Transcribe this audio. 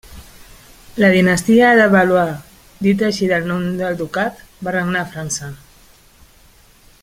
La dinastia de Valois, dita així del nom del ducat, va regnar a França.